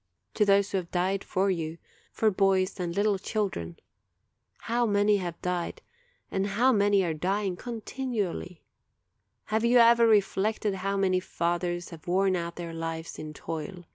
to those who have died for you, for boys and little children. How many have died, and how many are dying con tinually! Have you ever reflected how many fathers have worn out their lives in toil?